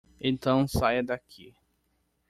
Então saia daqui.